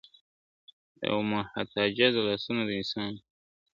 او محتاجه د لاسونو د انسان دي !.